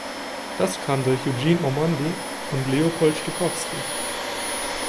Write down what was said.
Das kam durch Eugene Ormandy und Leopold Stokowski.